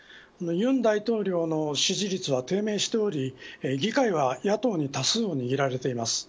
尹大統領の支持率は低迷しており議会は野党に多数を握られています。